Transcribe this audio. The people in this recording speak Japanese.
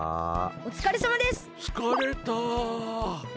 おつかれさまです！